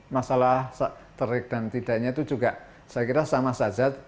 masalah terik dan tidaknya itu juga saya kira sama saja